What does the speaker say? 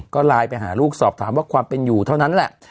ก็ไลน์ไปหาลูกสอบถามว่าความเป็นอยู่เท่านั้นแหละ